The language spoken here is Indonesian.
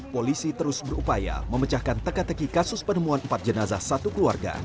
polisi terus berupaya memecahkan teka teki kasus penemuan empat jenazah satu keluarga